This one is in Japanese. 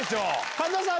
神田さん